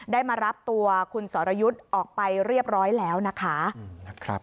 มารับตัวคุณสรยุทธ์ออกไปเรียบร้อยแล้วนะคะ